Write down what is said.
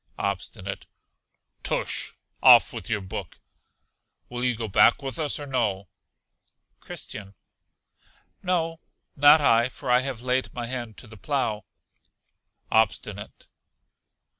Obstinate. Tush! Off with your book. Will you go back with us or no? Christian. No, not I, for I have laid my hand to the plough. Obstinate.